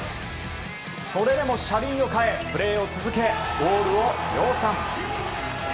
それでも車輪を替え、プレーを続け、ゴールを量産。